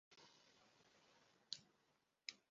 Olumu baagenda ne bamufuulira ddala ng'atategeera.